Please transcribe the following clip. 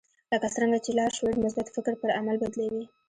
لکه څرنګه چې لاشعور مثبت فکر پر عمل بدلوي